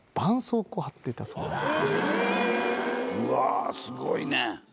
うわすごいね！